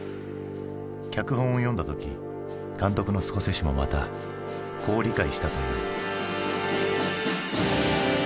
脚本を読んだ時監督のスコセッシもまたこう理解したという。